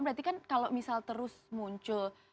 berarti kan kalau misal terus muncul